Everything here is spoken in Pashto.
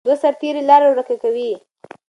دوه سرتیري لاره ورکه کوي.